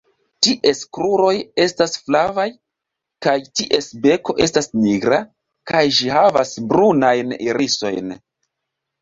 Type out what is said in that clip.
Ties kruroj estas flavaj, kaj ties beko estas nigra, kaj ĝi havas brunajn irisojn.